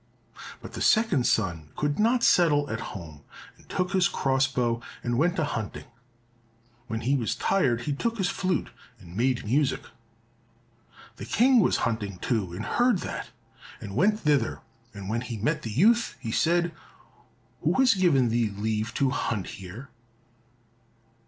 But the second son could not settle at home, and took his cross bow and went a hunting. When he was tired he took his flute, and made music. The King was hunting too, and heard that and went thither, and when he met the youth, he said, "Who has given thee leave to hunt here?"